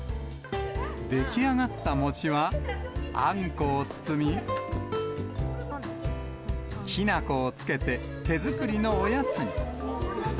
出来上がった餅は、あんこを包み、きな粉をつけて手作りのおやつに。